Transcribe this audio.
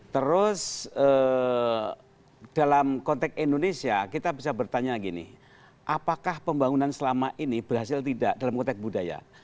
terus dalam konteks indonesia kita bisa bertanya gini apakah pembangunan selama ini berhasil tidak dalam konteks budaya